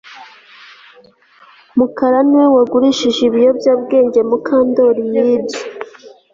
Mukara niwe wagurishije ibiyobyabwenge Mukandoli yibye